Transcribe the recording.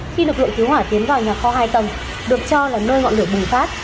khi lực lượng cứu hỏa tiến vào nhà kho hai tầng được cho là nơi ngọn lửa bùng phát